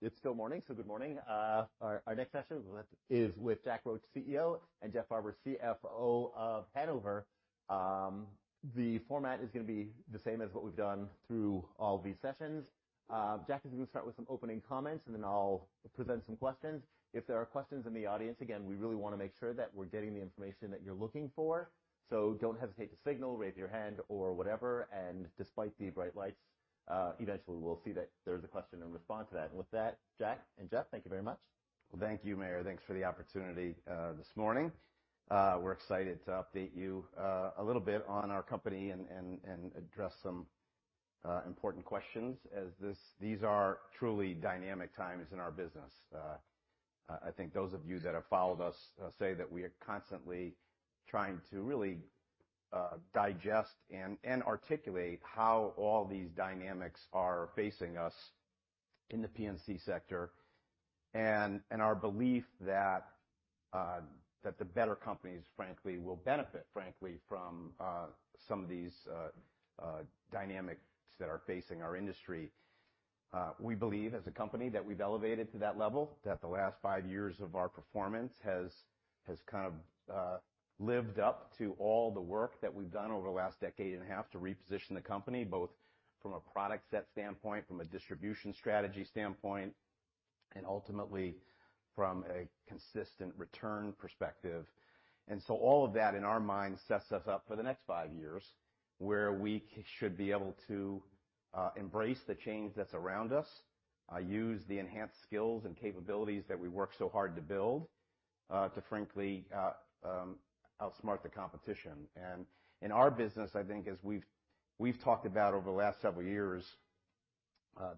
It's still morning, so good morning. Our next session is with Jack Roche, CEO, and Jeff Farber, CFO of Hanover. The format is gonna be the same as what we've done through all these sessions. Jack is gonna start with some opening comments, and then I'll present some questions. If there are questions in the audience, again, we really wanna make sure that we're getting the information that you're looking for. So don't hesitate to signal, raise your hand or whatever. Despite the bright lights, eventually we'll see that there's a question and respond to that. With that, Jack and Jeff, thank you very much. Well, thank you, Meyer. Thanks for the opportunity this morning. We're excited to update you a little bit on our company and address some important questions as these are truly dynamic times in our business. I think those of you that have followed us say that we are constantly trying to really digest and articulate how all these dynamics are facing us in the P&C sector, and our belief that the better companies, frankly, will benefit, frankly, from some of these dynamics that are facing our industry. We believe, as a company, that we've elevated to that level, that the last five years of our performance has kind of lived up to all the work that we've done over the last decade and a half to reposition the company, both from a product set standpoint, from a distribution strategy standpoint, and ultimately from a consistent return perspective. All of that, in our minds, sets us up for the next five years, where we should be able to embrace the change that's around us, use the enhanced skills and capabilities that we work so hard to build, to frankly outsmart the competition. In our business, I think as we've talked about over the last several years,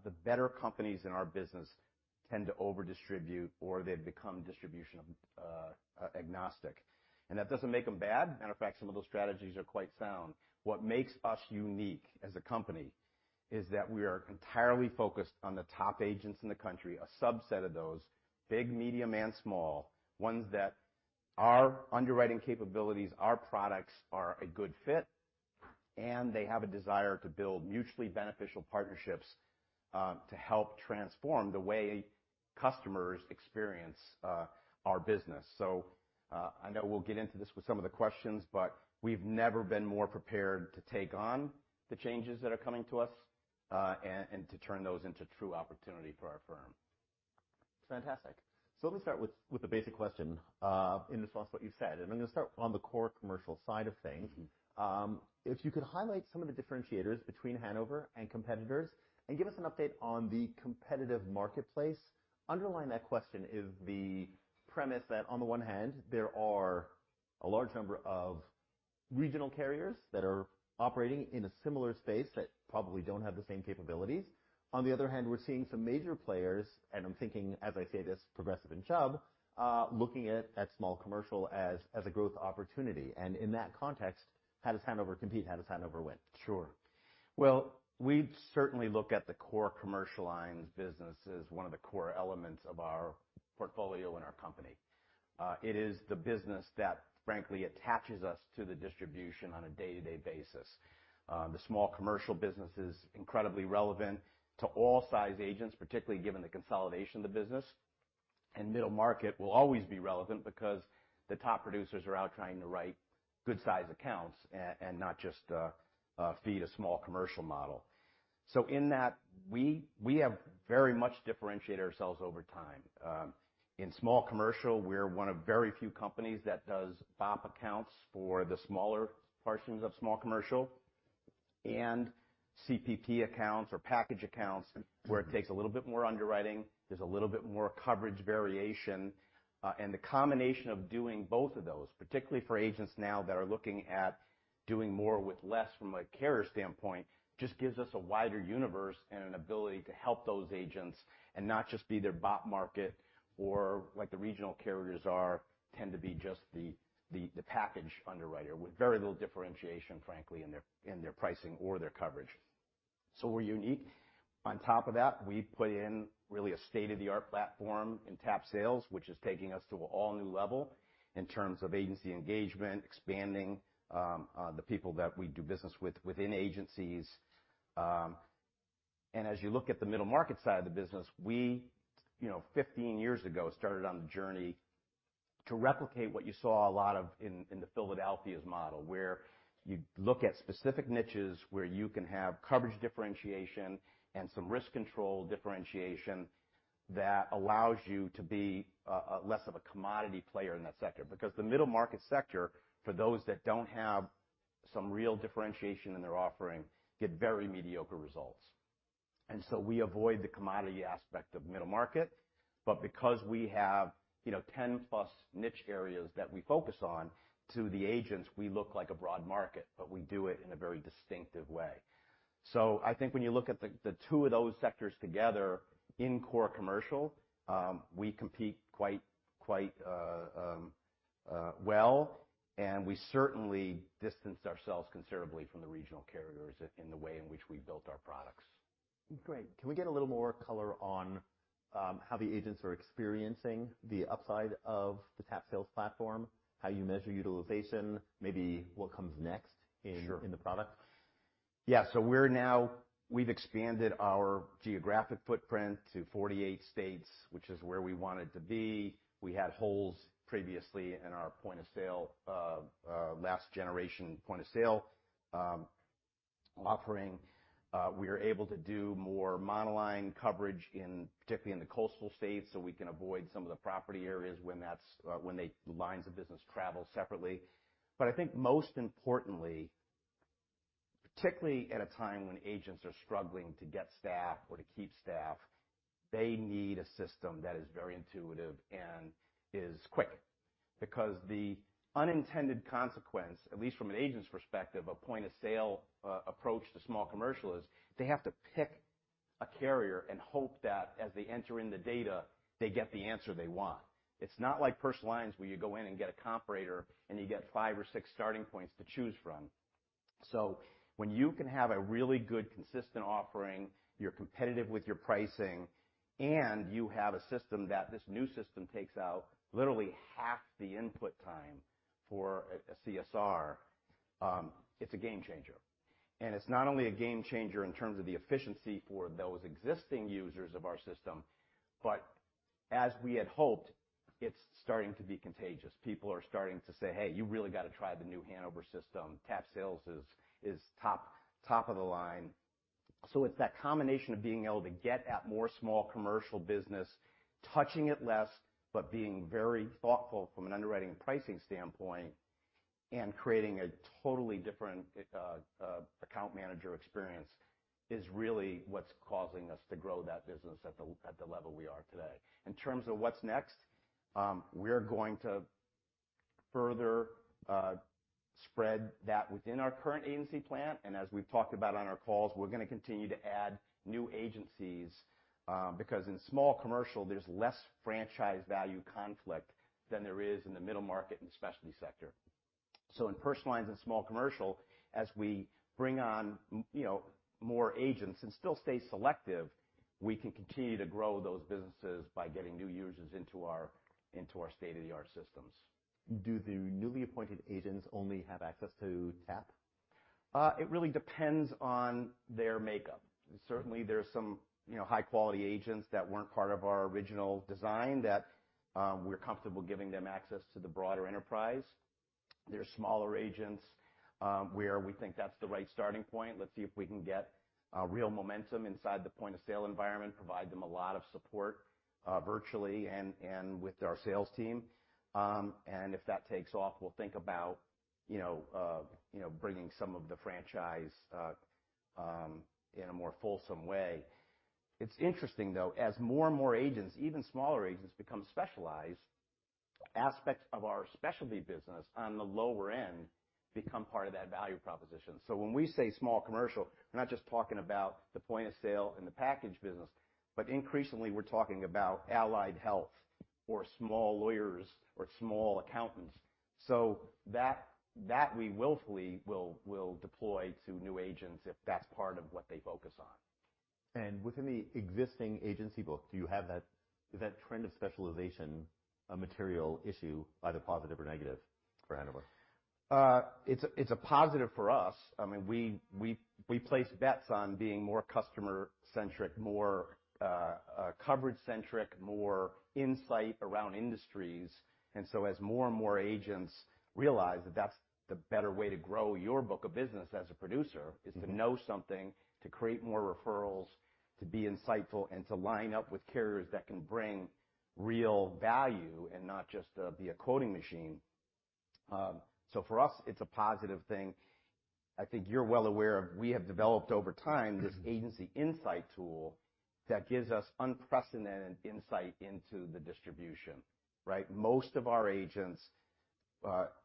the better companies in our business tend to overdistribute or they've become distribution agnostic. That doesn't make them bad. Matter of fact, some of those strategies are quite sound. What makes us unique as a company is that we are entirely focused on the top agents in the country, a subset of those, big, medium, and small, ones that our underwriting capabilities, our products are a good fit, and they have a desire to build mutually beneficial partnerships, to help transform the way customers experience our business. I know we'll get into this with some of the questions, but we've never been more prepared to take on the changes that are coming to us, and to turn those into true opportunity for our firm. Fantastic. Let me start with a basic question in response to what you've said, and I'm gonna start on the Core Commercial side of things. Mm-hmm. If you could highlight some of the differentiators between Hanover and competitors and give us an update on the competitive marketplace. Underlying that question is the premise that, on the one hand, there are a large number of regional carriers that are operating in a similar space that probably don't have the same capabilities. On the other hand, we're seeing some major players, and I'm thinking, as I say this, Progressive and Chubb looking at small commercial as a growth opportunity. In that context, how does Hanover compete? How does Hanover win? Sure. Well, we certainly look at the Core Commercial lines business as one of the core elements of our portfolio and our company. It is the business that frankly attaches us to the distribution on a day-to-day basis. The small commercial business is incredibly relevant to all size agents, particularly given the consolidation of the business. Middle market will always be relevant because the top producers are out trying to write good-sized accounts and not just feed a small commercial model. In that, we have very much differentiated ourselves over time. In small commercial, we're one of very few companies that does BOP accounts for the smaller portions of small commercial and CPP accounts or package accounts where it takes a little bit more underwriting. There's a little bit more coverage variation. The combination of doing both of those, particularly for agents now that are looking at doing more with less from a carrier standpoint, just gives us a wider universe and an ability to help those agents and not just be their BOP market or like the regional carriers are, tend to be just the package underwriter with very little differentiation, frankly, in their pricing or their coverage. We're unique. On top of that, we put in really a state-of-the-art platform in TAP Sales, which is taking us to an all-new level in terms of agency engagement, expanding the people that we do business with within agencies. As you look at the middle market side of the business, we, you know, 15 years ago, started on the journey to replicate what you saw a lot of in the Philadelphia model, where you look at specific niches where you can have coverage differentiation and some risk control differentiation that allows you to be less of a commodity player in that sector. Because the middle market sector, for those that don't have some real differentiation in their offering, get very mediocre results. We avoid the commodity aspect of middle market. Because we have, you know, 10+ niche areas that we focus on, to the agents, we look like a broad market, but we do it in a very distinctive way. I think when you look at the two of those sectors together in Core Commercial, we compete quite well, and we certainly distance ourselves considerably from the regional carriers in the way in which we've built our products. Great. Can we get a little more color on how the agents are experiencing the upside of the TAP Sales platform, how you measure utilization, maybe what comes next in? Sure In the product. Yeah. We've expanded our geographic footprint to 48 states, which is where we wanted to be. We had holes previously in our point of sale last generation point of sale offering. We are able to do more monoline coverage in particularly in the coastal states, so we can avoid some of the property areas when that's when the lines of business travel separately. But I think most importantly, particularly at a time when agents are struggling to get staff or to keep staff, they need a system that is very intuitive and is quick because the unintended consequence, at least from an agent's perspective, a point of sale approach to small commercial is they have to pick a carrier and hope that as they enter in the data, they get the answer they want. It's not like Personal Lines, where you go in and get a comparator, and you get five or six starting points to choose from. When you can have a really good consistent offering, you're competitive with your pricing, and you have a system that this new system takes out literally half the input time for a CSR, it's a game changer. It's not only a game changer in terms of the efficiency for those existing users of our system, but as we had hoped, it's starting to be contagious. People are starting to say, "Hey, you really got to try the new Hanover system. TAP Sales is top of the line." It's that combination of being able to get at more small commercial business, touching it less, but being very thoughtful from an underwriting and pricing standpoint and creating a totally different account manager experience is really what's causing us to grow that business at the level we are today. In terms of what's next, we're going to further spread that within our current agency plan. As we've talked about on our calls, we're gonna continue to add new agencies because in small commercial, there's less franchise value conflict than there is in the middle market and specialty sector. In Personal Lines and Small Commercial, as we bring on, you know, more agents and still stay selective, we can continue to grow those businesses by getting new users into our state-of-the-art systems. Do the newly appointed agents only have access to TAP? It really depends on their makeup. Certainly, there's some, you know, high-quality agents that weren't part of our original design that we're comfortable giving them access to the broader enterprise. There are smaller agents where we think that's the right starting point. Let's see if we can get real momentum inside the point of sale environment, provide them a lot of support virtually and with our sales team. If that takes off, we'll think about, you know, bringing some of the franchise in a more fulsome way. It's interesting, though, as more and more agents, even smaller agents, become specialized, aspects of our specialty business on the lower end become part of that value proposition. When we say small commercial, we're not just talking about the point of sale and the package business, but increasingly, we're talking about allied health or small lawyers or small accountants. That we will fully deploy to new agents if that's part of what they focus on. Within the existing agency book, is that trend of specialization a material issue, either positive or negative for Hanover? It's a positive for us. I mean, we place bets on being more customer-centric, more coverage-centric, more insight around industries. As more and more agents realize that that's the better way to grow your book of business as a producer is to know something, to create more referrals, to be insightful, and to line up with carriers that can bring real value and not just be a quoting machine. For us, it's a positive thing. I think you're well aware of we have developed over time this Agency Insight tool that gives us unprecedented insight into the distribution, right? Most of our agents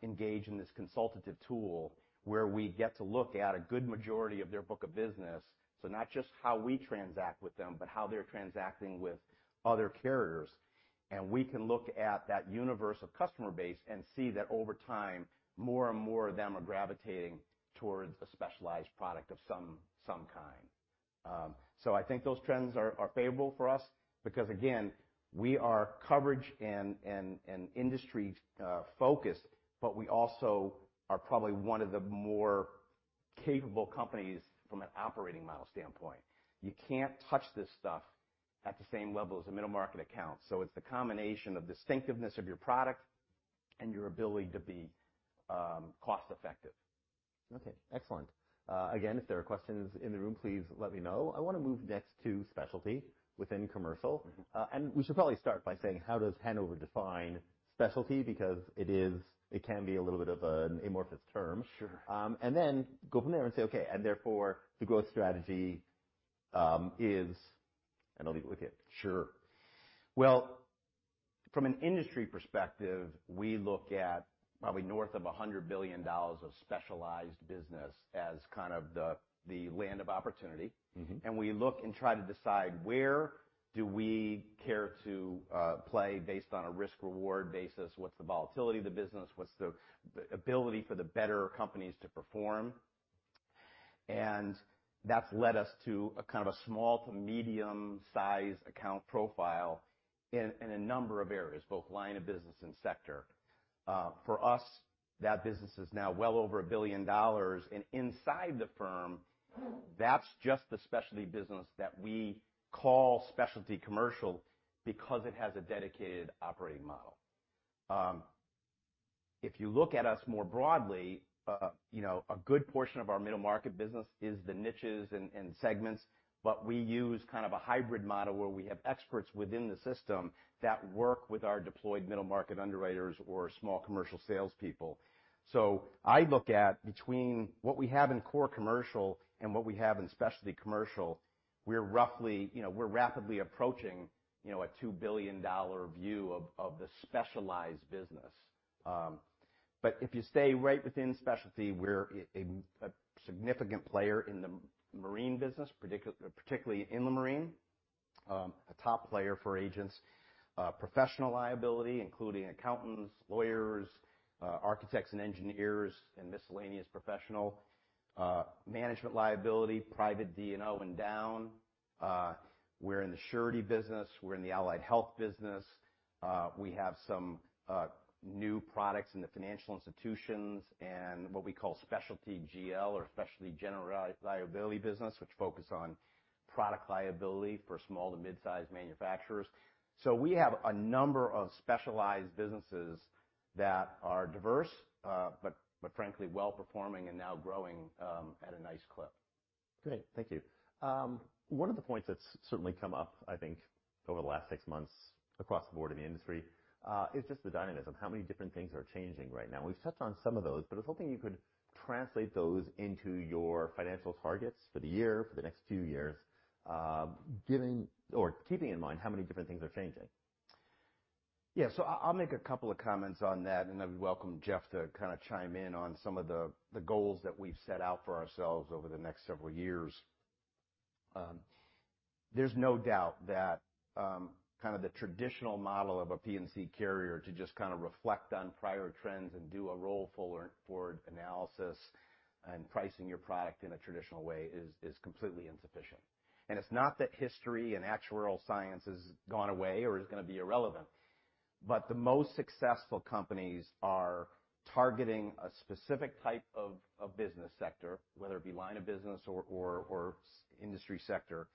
engage in this consultative tool where we get to look at a good majority of their book of business. Not just how we transact with them, but how they're transacting with other carriers. We can look at that universe of customer base and see that over time, more and more of them are gravitating towards a specialized product of some kind. I think those trends are favorable for us because again, we are coverage and industry focused, but we also are probably one of the more capable companies from an operating model standpoint. You can't touch this stuff at the same level as a middle market account. It's the combination of distinctiveness of your product and your ability to be cost-effective. Okay. Excellent. Again, if there are questions in the room, please let me know. I wanna move next to specialty within commercial. Mm-hmm. We should probably start by saying how does Hanover define specialty because it is, it can be a little bit of an amorphous term. Sure. Go from there and say, okay, and therefore, the growth strategy is. I'll leave it with you. Sure. Well, from an industry perspective, we look at probably north of $100 billion of specialized business as kind of the land of opportunity. Mm-hmm. We look and try to decide where do we care to play based on a risk-reward basis? What's the volatility of the business? What's the ability for the better companies to perform? That's led us to a kind of a small to medium-size account profile in a number of areas, both line of business and sector. For us, that business is now well over $1 billion. Inside the firm, that's just the specialty business that we call specialty commercial because it has a dedicated operating model. If you look at us more broadly, you know, a good portion of our middle market business is the niches and segments, but we use kind of a hybrid model where we have experts within the system that work with our deployed middle market underwriters or small commercial salespeople. I look at between what we have in Core Commercial and what we have in specialty commercial, we're roughly, you know, we're rapidly approaching, you know, a $2 billion view of the specialized business. But if you stay right within specialty, we're a significant player in the marine business, particularly in the marine. A top player for agents, professional liability, including accountants, lawyers, architects and engineers and miscellaneous professional, management liability, private D&O and down. We're in the surety business. We're in the allied health business. We have some new products in the financial institutions and what we call specialty GL or specialty general liability business, which focus on product liability for small to mid-sized manufacturers. We have a number of specialized businesses that are diverse, but frankly, well-performing and now growing, at a nice clip. Great. Thank you. One of the points that's certainly come up, I think, over the last six months across the board in the industry, is just the dynamism, how many different things are changing right now. We've touched on some of those, but I was hoping you could translate those into your financial targets for the year, for the next two years, giving or keeping in mind how many different things are changing. Yeah. I'll make a couple of comments on that, and I would welcome Jeff to kinda chime in on some of the goals that we've set out for ourselves over the next several years. There's no doubt that kind of the traditional model of a P&C carrier to just kind of reflect on prior trends and do a roll forward analysis and pricing your product in a traditional way is completely insufficient. It's not that history and actuarial science has gone away or is gonna be irrelevant, but the most successful companies are targeting a specific type of business sector, whether it be line of business or industry sector,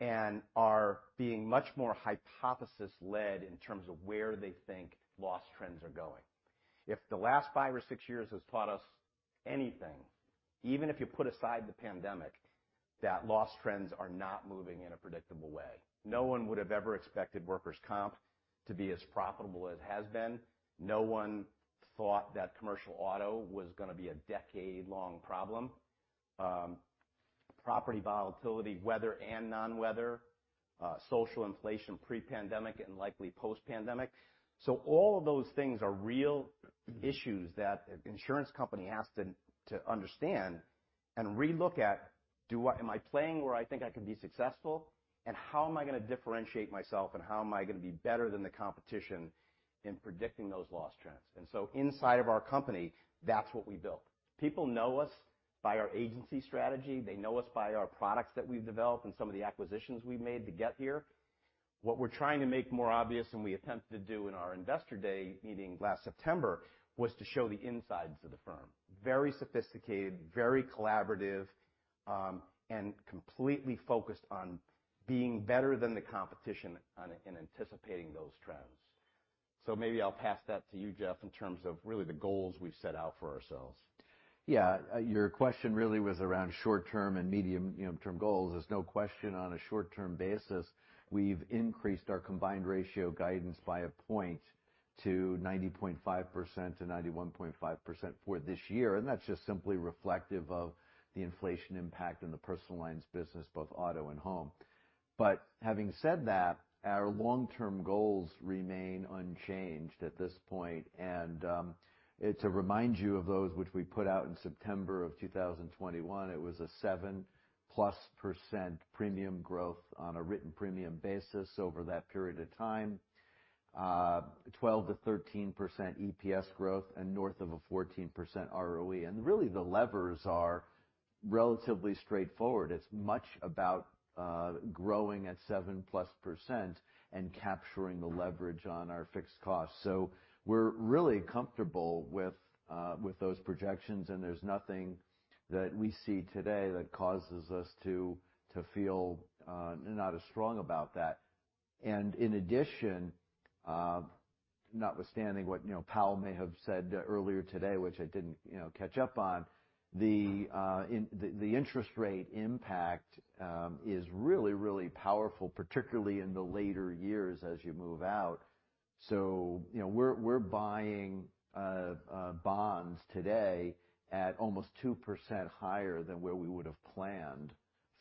and are being much more hypothesis-led in terms of where they think loss trends are going. If the last five or six years has taught us anything, even if you put aside the pandemic, that loss trends are not moving in a predictable way. No one would have ever expected workers' comp to be as profitable as it has been. No one thought that commercial auto was gonna be a decade-long problem. Property volatility, weather and non-weather, social inflation pre-pandemic and likely post-pandemic. All of those things are real issues that an insurance company has to understand and relook at, am I playing where I think I can be successful, and how am I gonna differentiate myself, and how am I gonna be better than the competition in predicting those loss trends? Inside of our company, that's what we built. People know us by our agency strategy. They know us by our products that we've developed and some of the acquisitions we've made to get here. What we're trying to make more obvious, and we attempted to do in our investor day meeting last September, was to show the insides of the firm. Very sophisticated, very collaborative, and completely focused on being better than the competition in anticipating those trends. Maybe I'll pass that to you, Jeff, in terms of really the goals we've set out for ourselves. Yeah. Your question really was around short-term and medium, you know, term goals. There's no question on a short-term basis, we've increased our combined ratio guidance by a point to 90.5%-91.5% for this year, and that's just simply reflective of the inflation impact in the personal lines business, both auto and home. Having said that, our long-term goals remain unchanged at this point. To remind you of those which we put out in September of 2021, it was 7%+ premium growth on a written premium basis over that period of time. 12%-13% EPS growth and north of a 14% ROE. Really, the levers are relatively straightforward. It's much about growing at 7%+ and capturing the leverage on our fixed costs. We're really comfortable with those projections, and there's nothing that we see today that causes us to feel not as strong about that. In addition, notwithstanding what, you know, Powell may have said earlier today, which I didn't, you know, catch up on, the interest rate impact is really, really powerful, particularly in the later years as you move out. You know, we're buying bonds today at almost 2% higher than where we would have planned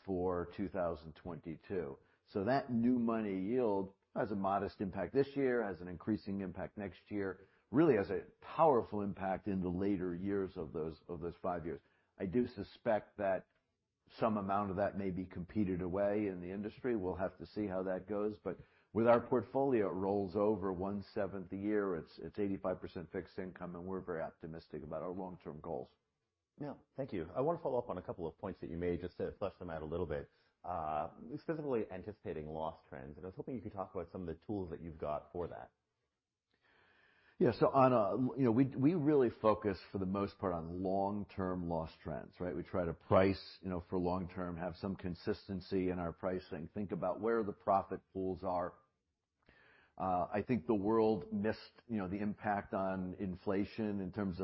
for 2022. That new money yield has a modest impact this year, has an increasing impact next year, really has a powerful impact in the later years of those five years. I do suspect that some amount of that may be competed away in the industry. We'll have to see how that goes. With our portfolio, it rolls over one-seventh a year. It's 85% fixed income, and we're very optimistic about our long-term goals. Yeah. Thank you. I want to follow up on a couple of points that you made, just to flesh them out a little bit. Specifically anticipating loss trends. I was hoping you could talk about some of the tools that you've got for that. Yeah, we really focus, for the most part, on long-term loss trends, right? We try to price, you know, for long-term, have some consistency in our pricing, think about where the profit pools are. I think the world missed, you know, the impact on inflation in terms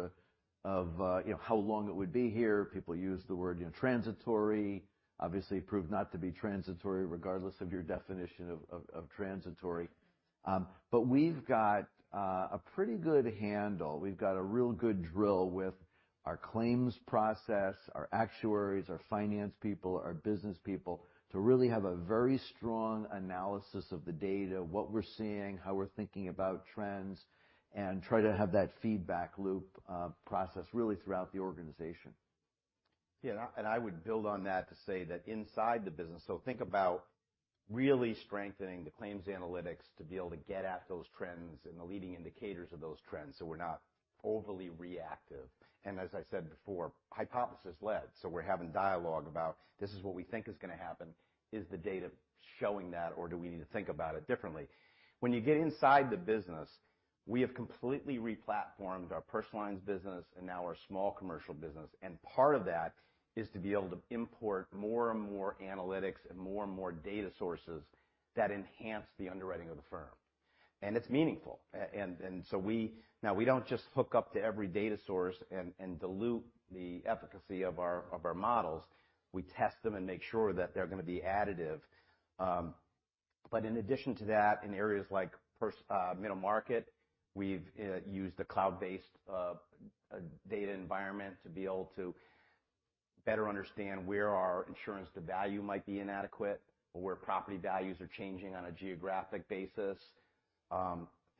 of you know, how long it would be here. People use the word, you know, transitory. Obviously, it proved not to be transitory, regardless of your definition of transitory. We've got a pretty good handle. We've got a real good drill with our claims process, our actuaries, our finance people, our business people, to really have a very strong analysis of the data, what we're seeing, how we're thinking about trends, and try to have that feedback loop process really throughout the organization. Yeah. I would build on that to say that inside the business. Think about really strengthening the claims analytics to be able to get at those trends and the leading indicators of those trends, so we're not overly reactive. As I said before, hypothesis-led, so we're having dialogue about, "This is what we think is gonna happen. Is the data showing that, or do we need to think about it differently?" When you get inside the business, we have completely replatformed our personal lines business and now our small commercial business, and part of that is to be able to import more and more analytics and more and more data sources that enhance the underwriting of the firm. It's meaningful. And so now we don't just hook up to every data source and dilute the efficacy of our models. We test them and make sure that they're gonna be additive. But in addition to that, in areas like middle market, we've used a cloud-based data environment to be able to better understand where our insurance to value might be inadequate or where property values are changing on a geographic basis.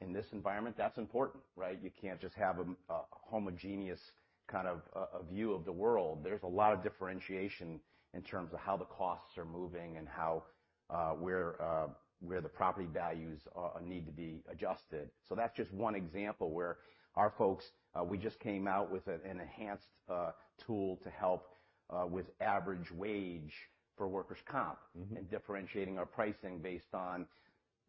In this environment, that's important, right? You can't just have a homogeneous kind of a view of the world. There's a lot of differentiation in terms of how the costs are moving and where the property values need to be adjusted. That's just one example where our folks we just came out with an enhanced tool to help with average wage for workers' comp. Mm-hmm Differentiating our pricing based on,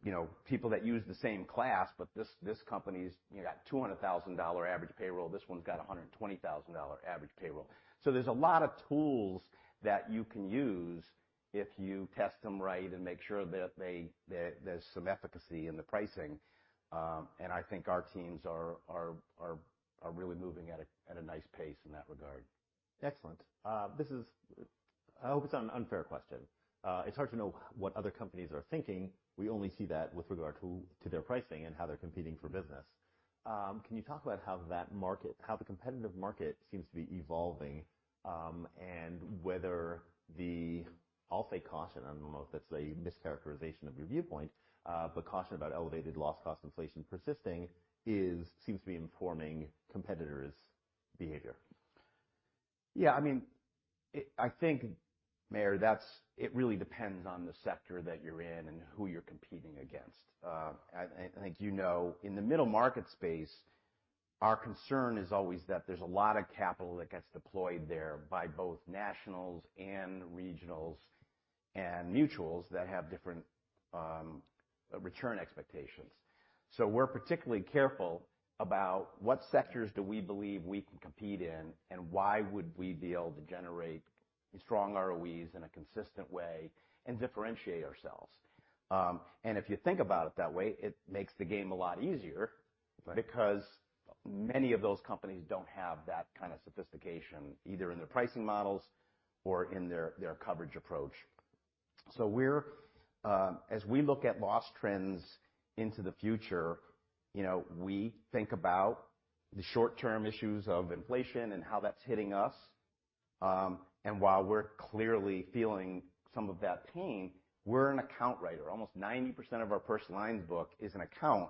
you know, people that use the same class, but this company's, you know, got $200,000 average payroll, this one's got $120,000 average payroll. There's a lot of tools that you can use if you test them right and make sure that there's some efficacy in the pricing. I think our teams are really moving at a nice pace in that regard. Excellent. I hope it's not an unfair question. It's hard to know what other companies are thinking. We only see that with regard to their pricing and how they're competing for business. Can you talk about how the competitive market seems to be evolving, and whether the, I'll say, caution, I don't know if that's a mischaracterization of your viewpoint, but caution about elevated loss cost inflation persisting seems to be informing competitors' behavior? Yeah. I mean, I think, Meyer, it really depends on the sector that you're in and who you're competing against. I think you know, in the middle market space, our concern is always that there's a lot of capital that gets deployed there by both nationals and regionals and mutuals that have different return expectations. So we're particularly careful about what sectors do we believe we can compete in, and why would we be able to generate strong ROEs in a consistent way and differentiate ourselves. If you think about it that way, it makes the game a lot easier. Right Because many of those companies don't have that kind of sophistication, either in their pricing models or in their coverage approach. We're as we look at loss trends into the future, you know, we think about the short-term issues of inflation and how that's hitting us. While we're clearly feeling some of that pain, we're an account writer. Almost 90% of our Personal Lines book is an account,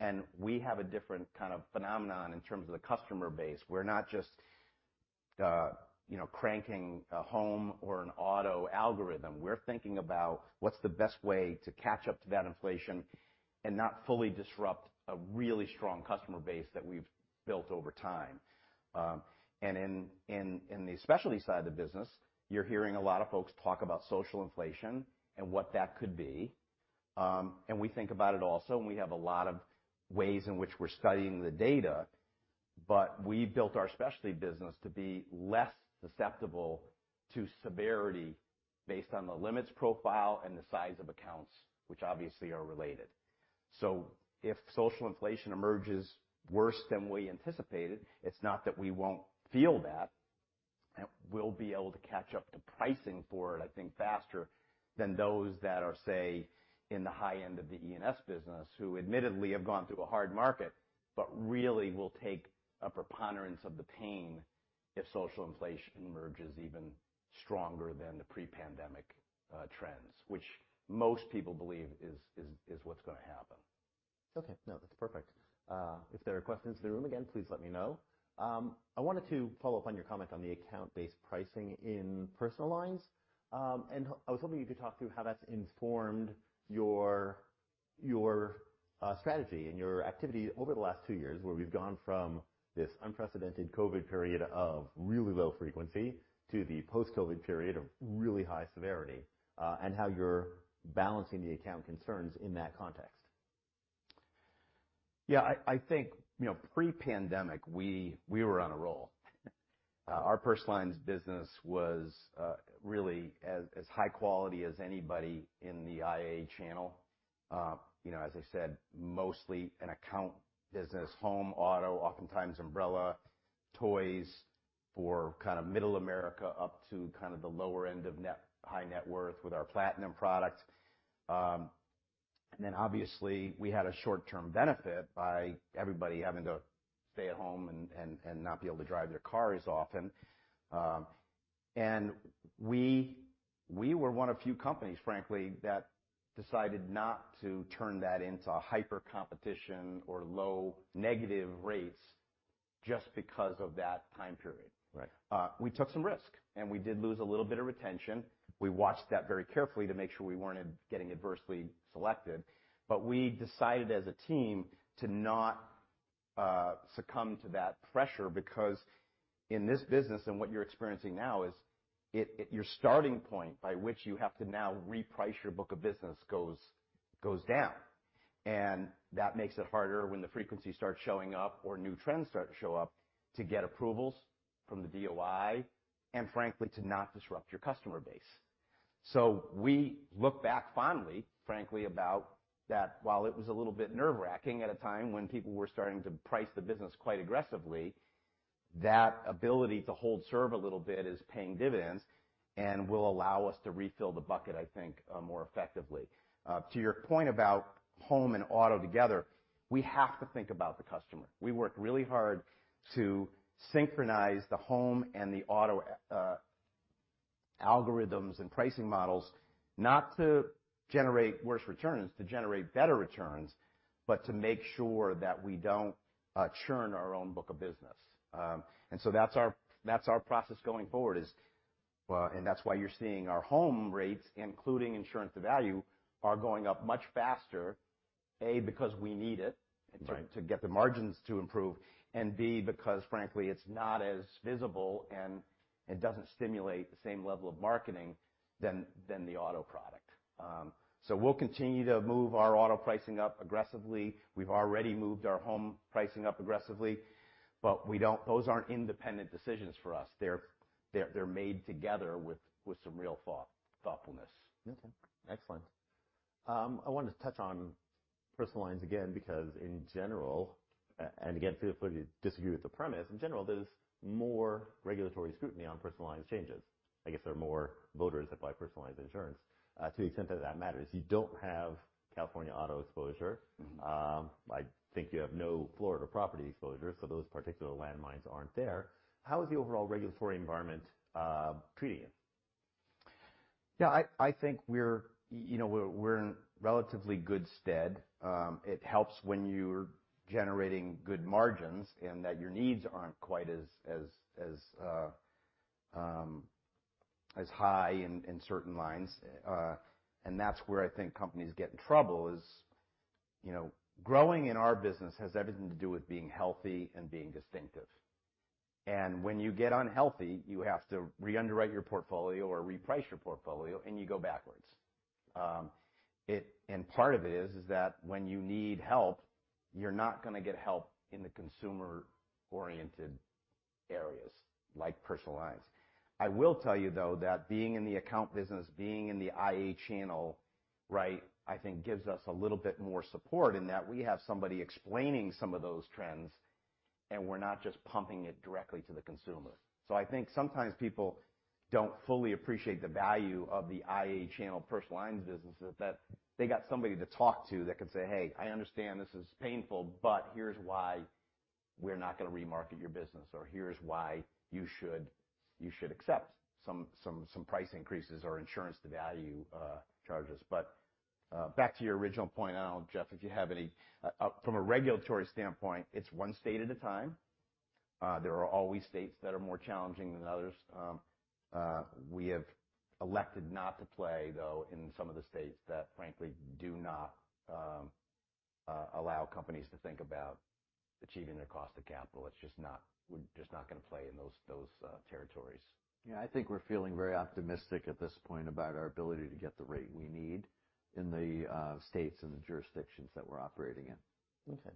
and we have a different kind of phenomenon in terms of the customer base. We're not just, you know, cranking a home or an auto algorithm. We're thinking about what's the best way to catch up to that inflation and not fully disrupt a really strong customer base that we've built over time. In the specialty side of the business, you're hearing a lot of folks talk about social inflation and what that could be. We think about it also, and we have a lot of ways in which we're studying the data, but we built our specialty business to be less susceptible to severity based on the limits profile and the size of accounts, which obviously are related. If social inflation emerges worse than we anticipated, it's not that we won't feel that. We'll be able to catch up to pricing for it, I think, faster than those that are, say, in the high end of the E&S business, who admittedly have gone through a hard market, but really will take a preponderance of the pain if social inflation emerges even stronger than the pre-pandemic trends, which most people believe is what's gonna happen. Okay. No, that's perfect. If there are questions in the room, again, please let me know. I wanted to follow up on your comment on the account-based pricing in Personal Lines. I was hoping you could talk through how that's informed your strategy and your activity over the last two years, where we've gone from this unprecedented COVID period of really low frequency to the post-COVID period of really high severity, and how you're balancing the account concerns in that context. Yeah, I think, you know, pre-pandemic, we were on a roll. Our Personal Lines business was really as high quality as anybody in the IA channel. You know, as I said, mostly an account business, home, auto, oftentimes umbrella, toys for kind of Middle America up to kind of the lower end of high net worth with our Platinum product. Obviously we had a short-term benefit by everybody having to stay at home and not be able to drive their car as often. We were one of few companies, frankly, that decided not to turn that into a hyper competition or low negative rates just because of that time period. Right. We took some risk, and we did lose a little bit of retention. We watched that very carefully to make sure we weren't getting adversely selected. We decided as a team to not succumb to that pressure because in this business and what you're experiencing now is it. Your starting point by which you have to now reprice your book of business goes down. That makes it harder when the frequency starts showing up or new trends start to show up to get approvals from the DOI, and frankly, to not disrupt your customer base. We look back fondly, frankly, about that while it was a little bit nerve-wracking at a time when people were starting to price the business quite aggressively, that ability to hold serve a little bit is paying dividends and will allow us to refill the bucket, I think, more effectively. To your point about home and auto together, we have to think about the customer. We work really hard to synchronize the home and the auto algorithms and pricing models, not to generate worse returns, to generate better returns, but to make sure that we don't churn our own book of business. That's our process going forward, well, and that's why you're seeing our home rates, including insurance to value, are going up much faster because we need it. Right. To get the margins to improve. B, because frankly, it's not as visible and it doesn't stimulate the same level of marketing than the auto product. We'll continue to move our auto pricing up aggressively. We've already moved our home pricing up aggressively, but those aren't independent decisions for us. They're made together with some real thoughtfulness. Okay. Excellent. I wanted to touch on Personal Lines again, because in general, and again, feel free to disagree with the premise, in general, there's more regulatory scrutiny on Personal Lines changes. I guess there are more voters that buy personal insurance, to the extent that that matters. You don't have California auto exposure. Mm-hmm. I think you have no Florida property exposure, so those particular landmines aren't there. How is the overall regulatory environment treating you? Yeah, I think we're, you know, we're in relatively good stead. It helps when you're generating good margins and that your needs aren't quite as high in certain lines. That's where I think companies get in trouble is, you know, growing in our business has everything to do with being healthy and being distinctive. When you get unhealthy, you have to re-underwrite your portfolio or reprice your portfolio, and you go backwards. It and part of it is that when you need help, you're not gonna get help in the consumer-oriented areas like Personal Lines. I will tell you, though, that being in the account business, being in the IA channel, right, I think gives us a little bit more support in that we have somebody explaining some of those trends, and we're not just pumping it directly to the consumer. I think sometimes people don't fully appreciate the value of the IA channel Personal Lines business, that they got somebody to talk to that can say, "Hey, I understand this is painful, but here's why we're not gonna remarket your business," or, "Here's why you should accept some price increases or insurance to value charges." Back to your original point, I don't know, Jeff, if you have any. From a regulatory standpoint, it's one state at a time. There are always states that are more challenging than others. We have elected not to play, though, in some of the states that frankly do not allow companies to think about achieving their cost of capital. We're just not gonna play in those territories. Yeah. I think we're feeling very optimistic at this point about our ability to get the rate we need in the states and the jurisdictions that we're operating in. Okay.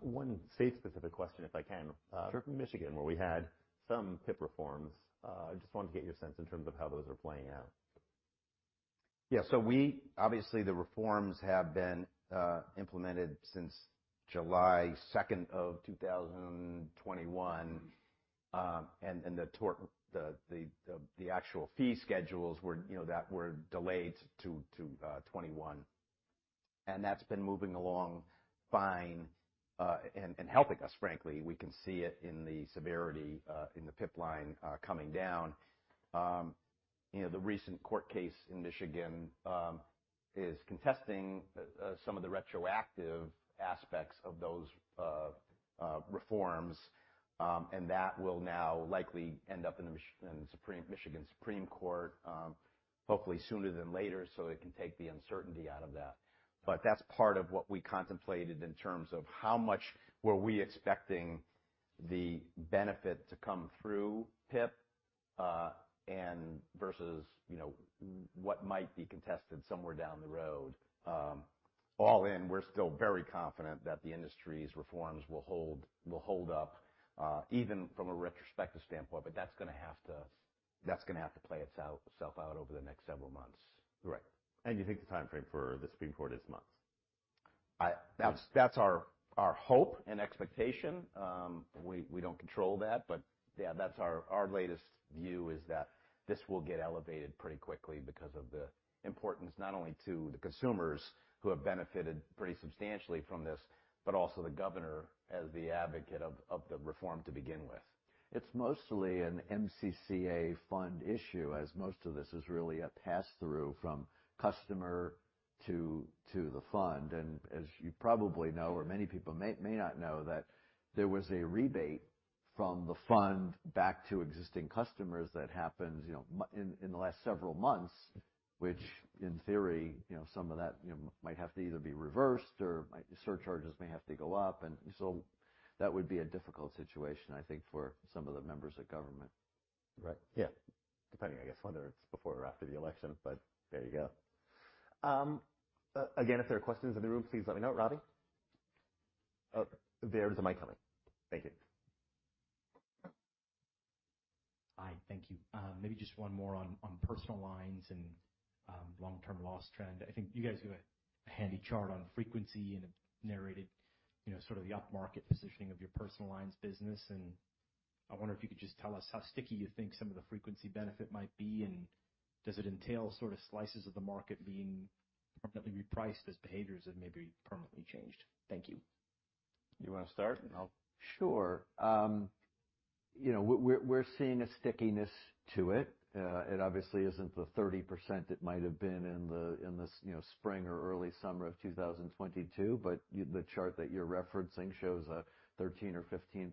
One state-specific question, if I can. Sure. Michigan, where we had some PIP reforms, I just wanted to get your sense in terms of how those are playing out. Yeah. Obviously, the reforms have been implemented since July 2nd, 2021. The actual fee schedules were, you know, that were delayed to 2021. That's been moving along fine, and helping us, frankly. We can see it in the severity in the PIP line coming down. You know, the recent court case in Michigan is contesting some of the retroactive aspects of those reforms. That will now likely end up in the Michigan Supreme Court, hopefully sooner than later, so it can take the uncertainty out of that. That's part of what we contemplated in terms of how much were we expecting the benefit to come through PIP, and versus, you know, what might be contested somewhere down the road. All in, we're still very confident that the industry's reforms will hold up, even from a retrospective standpoint, but that's gonna have to play itself out over the next several months. Right. You think the timeframe for the Supreme Court is months? That's our hope and expectation. We don't control that. Yeah, that's our latest view is that this will get elevated pretty quickly because of the importance not only to the consumers who have benefited pretty substantially from this, but also the governor as the advocate of the reform to begin with. It's mostly an MCCA fund issue, as most of this is really a pass-through from customer to the fund. As you probably know, or many people may not know, that there was a rebate from the fund back to existing customers that happened, you know, in the last several months, which in theory, you know, some of that, you know, might have to either be reversed or surcharges may have to go up. That would be a difficult situation, I think, for some of the members of government. Right. Yeah. Depending, I guess, whether it's before or after the election, but there you go. Again, if there are questions in the room, please let me know. Robbie? Oh, there's a mic coming. Thank you. Hi. Thank you. Maybe just one more on Personal Lines and long-term loss trend. I think you guys have a handy chart on frequency and it narrated, you know, sort of the upmarket positioning of your Personal Lines business. I wonder if you could just tell us how sticky you think some of the frequency benefit might be, and does it entail sort of slices of the market being permanently repriced as behaviors have maybe permanently changed? Thank you. You wanna start and I'll. Sure. You know, we're seeing a stickiness to it. It obviously isn't the 30% it might have been in this spring or early summer of 2022, but the chart that you're referencing shows a 13% or 15%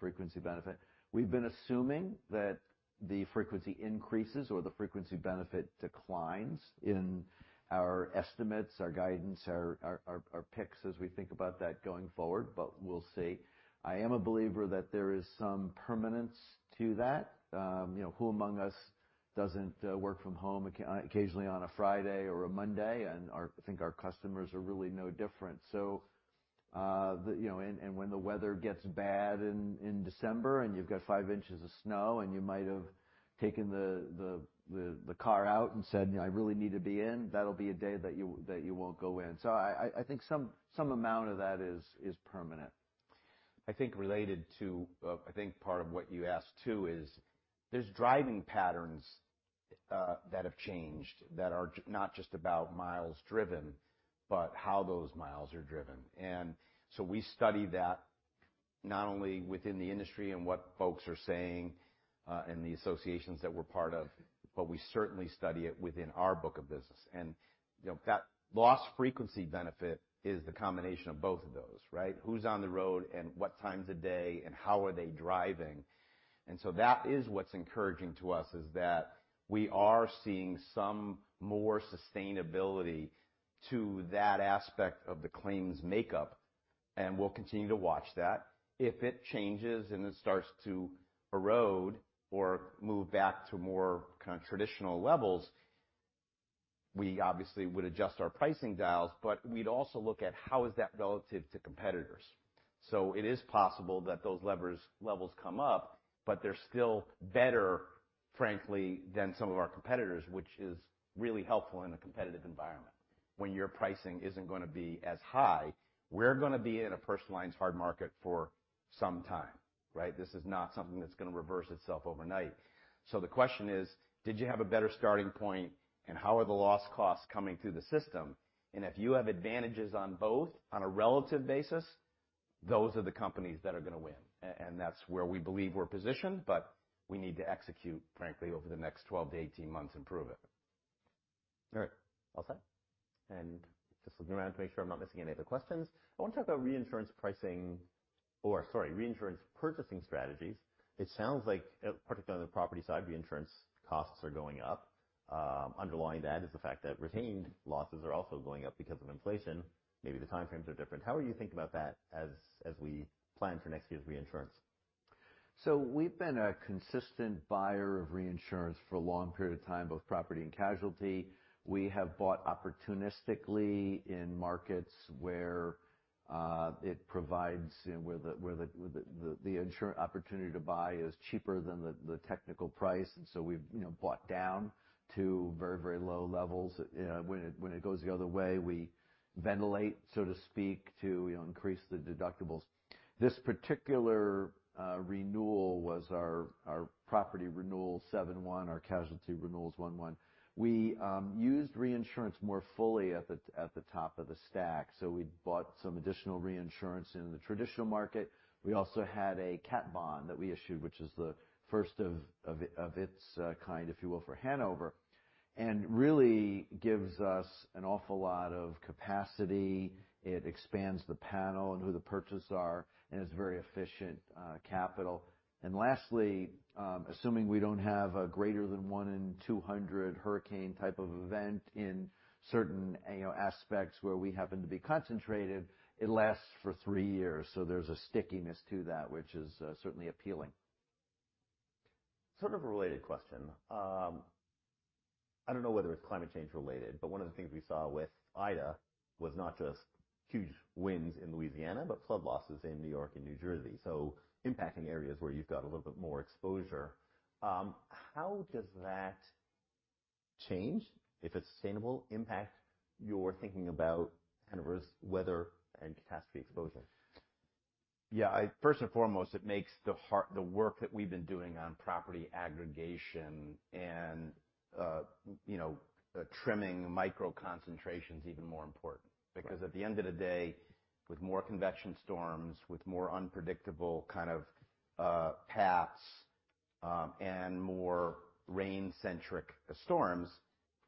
frequency benefit. We've been assuming that the frequency increases or the frequency benefit declines in our estimates, our guidance, our picks as we think about that going forward, but we'll see. I am a believer that there is some permanence to that. Who among us doesn't work from home occasionally on a Friday or a Monday? I think our customers are really no different. You know, when the weather gets bad in December and you've got five inches of snow, and you might have taken the car out and said, "I really need to be in," that'll be a day that you won't go in. I think some amount of that is permanent. I think part of what you asked too is there's driving patterns that have changed that are not just about miles driven, but how those miles are driven. We study that not only within the industry and what folks are saying, and the associations that we're part of, but we certainly study it within our book of business. You know, that loss frequency benefit is the combination of both of those, right? Who's on the road, and what times of day, and how are they driving? That is what's encouraging to us is that we are seeing some more sustainability to that aspect of the claims makeup, and we'll continue to watch that. If it changes and it starts to erode or move back to more kind of traditional levels, we obviously would adjust our pricing dials, but we'd also look at how is that relative to competitors. It is possible that those levels come up, but they're still better, frankly, than some of our competitors, which is really helpful in a competitive environment when your pricing isn't gonna be as high. We're gonna be in a Personal Lines hard market for some time, right? This is not something that's gonna reverse itself overnight. The question is, did you have a better starting point, and how are the loss costs coming through the system? If you have advantages on both a relative basis, those are the companies that are gonna win. That's where we believe we're positioned, but we need to execute, frankly, over the next 12-18 months and prove it. All right. All set. Just looking around to make sure I'm not missing any other questions. I want to talk about reinsurance pricing or, sorry, reinsurance purchasing strategies. It sounds like, particularly on the property side, reinsurance costs are going up. Underlying that is the fact that retained losses are also going up because of inflation. Maybe the time frames are different. How are you thinking about that as we plan for next year's reinsurance? We've been a consistent buyer of reinsurance for a long period of time, both property and casualty. We have bought opportunistically in markets where the insurance opportunity to buy is cheaper than the technical price. We've, you know, bought down to very, very low levels. When it goes the other way, we ventilate, so to speak, to increase the deductibles. This particular renewal was our property renewal 7/1, our casualty renewal is 1/1. We used reinsurance more fully at the top of the stack, so we bought some additional reinsurance in the traditional market. We also had a cat bond that we issued, which is the first of its kind, if you will, for Hanover, and really gives us an awful lot of capacity. It expands the panel and who the purchasers are, and it's very efficient capital. Lastly, assuming we don't have a greater than one in 200 hurricane type of event in certain, you know, aspects where we happen to be concentrated, it lasts for three years. There's a stickiness to that which is certainly appealing. Sort of a related question. I don't know whether it's climate change related, but one of the things we saw with Ida was not just huge winds in Louisiana, but flood losses in New York and New Jersey. Impacting areas where you've got a little bit more exposure. How does that change if it's sustainable impact you're thinking about kind of risk, weather, and catastrophe exposure? Yeah. First and foremost, it makes the work that we've been doing on property aggregation and, you know, trimming micro-concentrations even more important. Right. Because at the end of the day, with more convection storms, with more unpredictable kind of paths, and more rain-centric storms,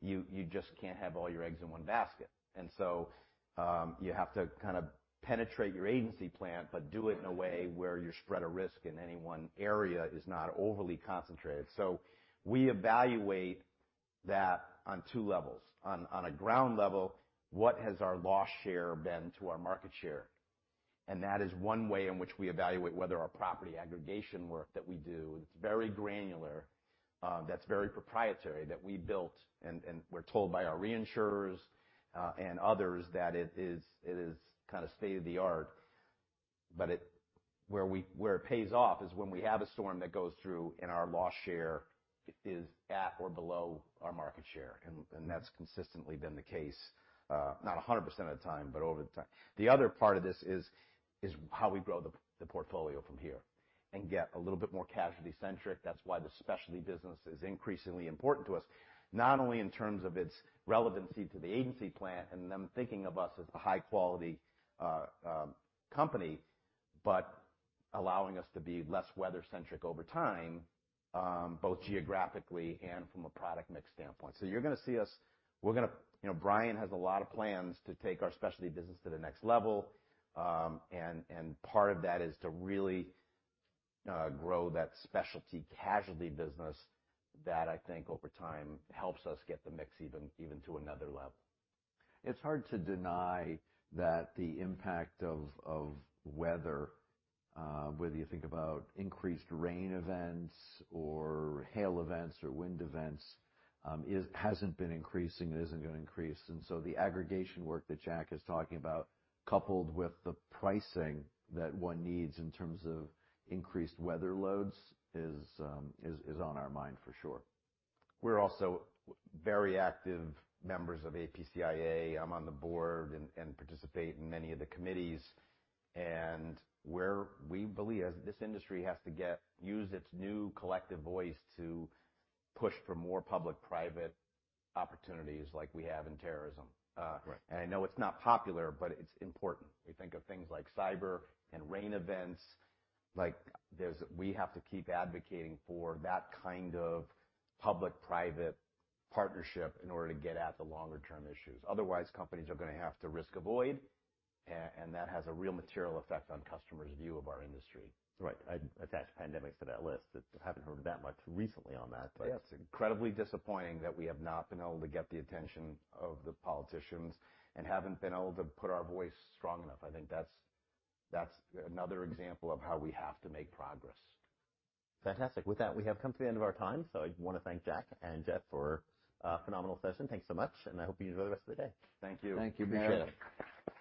you just can't have all your eggs in one basket. You have to kind of penetrate your agency plan, but do it in a way where your spread of risk in any one area is not overly concentrated. We evaluate that on two levels. On a ground level, what has our loss share been to our market share? That is one way in which we evaluate whether our property aggregation work that we do. It's very granular. That's very proprietary that we built and we're told by our reinsurers and others that it is kind of state-of-the-art. Where it pays off is when we have a storm that goes through and our loss share is at or below our market share. That's consistently been the case, not 100% of the time, but over the time. The other part of this is how we grow the portfolio from here and get a little bit more casualty-centric. That's why the specialty business is increasingly important to us, not only in terms of its relevancy to the agency plan and them thinking of us as a high-quality company, but allowing us to be less weather-centric over time, both geographically and from a product mix standpoint. You're gonna see us. You know, Bryan has a lot of plans to take our specialty business to the next level. Part of that is to really grow that specialty casualty business that I think over time helps us get the mix even to another level. It's hard to deny that the impact of weather, whether you think about increased rain events or hail events or wind events, hasn't been increasing and isn't gonna increase. The aggregation work that Jack is talking about, coupled with the pricing that one needs in terms of increased weather loads, is on our mind for sure. We're also very active members of APCIA. I'm on the board and participate in many of the committees. We believe as this industry has to get used to its new collective voice to push for more public-private opportunities like we have in terrorism. Right. I know it's not popular, but it's important. We think of things like cyber and rain events. We have to keep advocating for that kind of public-private partnership in order to get at the longer term issues. Otherwise, companies are gonna have to risk avoid, and that has a real material effect on customers' view of our industry. Right. I'd attach pandemics to that list. Haven't heard that much recently on that, but. Yeah. It's incredibly disappointing that we have not been able to get the attention of the politicians and haven't been able to put our voice strong enough. I think that's another example of how we have to make progress. Fantastic. With that, we have come to the end of our time. I wanna thank Jack and Jeff for a phenomenal session. Thanks so much, and I hope you enjoy the rest of the day. Thank you. Thank you. Appreciate it.